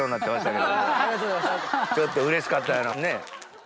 ちょっとうれしかったんやろね。